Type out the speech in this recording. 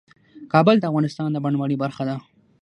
کابل د افغانستان د بڼوالۍ برخه ده.